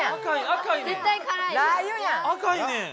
赤いねん。